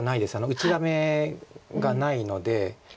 内ダメがないので。